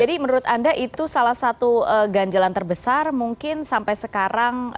jadi menurut anda itu salah satu ganjalan terbesar mungkin sampai sekarang